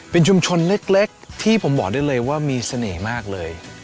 เป็นชุมชนเล็กที่ผมบอกได้เลยว่ามีเสน่ห์มากเลย